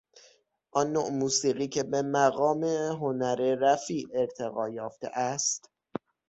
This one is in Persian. آن نوع موسیقی که به مقام هنر رفیع ارتقا یافته است